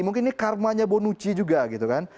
mungkin ini karmanya bonucci juga gitu kan